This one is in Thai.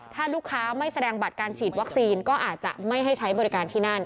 ถ้าลูกค้าไม่แสดงบัตรการฉีดวัคซีนก็อาจจะไม่ให้ใช้บริการที่นั่น